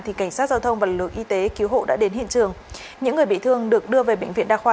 thì cảnh sát giao thông và lực y tế cứu hộ đã đến hiện trường những người bị thương được đưa về bệnh viện đa khoa